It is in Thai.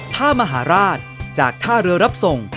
ท่ามหาราชจากท่าเรือรับส่ง